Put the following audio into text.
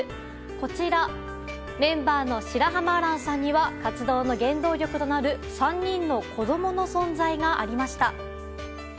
こちらメンバーの白濱亜嵐さんには活動の原動力となる３人の子供の存在がありました。